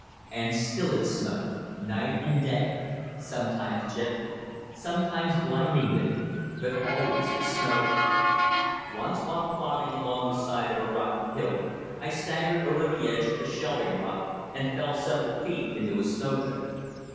And still it snowed, night and day sometimes gently, sometimes blindingly; but always it snowed. Once while plodding along the side of a rocky hill, I staggered over the edge of a shelving rock and fell several feet into a snow drift.